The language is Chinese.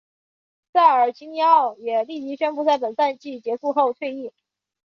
塞尔吉尼奥也立即宣布在本赛季结束后退役。